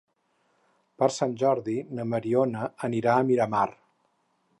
Per Sant Jordi na Mariona anirà a Miramar.